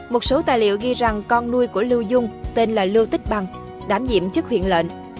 một số tài liệu ghi rằng con nuôi của lưu dung tên là lưu tích bằng đám diệm chức huyện lệnh